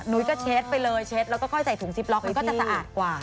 ก็เช็ดไปเลยเช็ดแล้วก็ค่อยใส่ถุงซิปล็อกมันก็จะสะอาดกว่า